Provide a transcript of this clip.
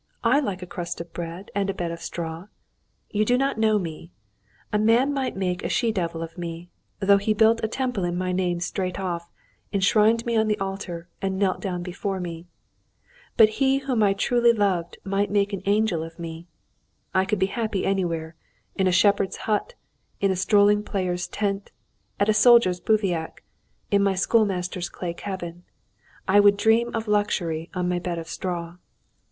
I like a crust of bread and a bed of straw. You do not know me. A man might make a she devil of me, though he built a temple in my name straight off, enshrined me on the altar, and knelt down before me. But he whom I truly loved might make an angel of me. I could be happy anywhere: in a shepherd's hut, a strolling player's tent, at a soldier's bivouac, in a schoolmaster's clay cabin. I would dream of luxury on my bed of straw."